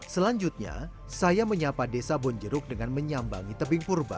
selanjutnya saya menyapa desa bonjeruk dengan menyambangi tebing purba